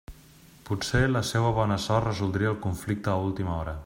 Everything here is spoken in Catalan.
Potser la seua bona sort resoldria el conflicte a última hora.